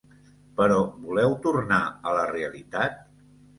Però voleu tornar a la realitat?